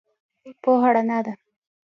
پوهه رڼا ده